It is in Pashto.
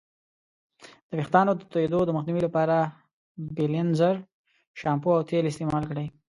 د ویښتانو د توییدو د مخنیوي لپاره بیلینزر شامپو او تیل استعمال کړئ.